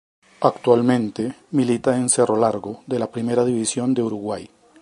Actualmente milita en Cerro Largo de la Primera División de Uruguay.